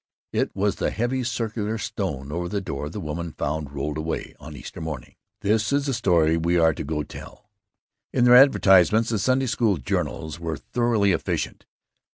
It was the heavy circular stone over the door the women found 'rolled away' on Easter morning. This is the story we are to 'Go tell.'" In their advertisements the Sunday School journals were thoroughly efficient.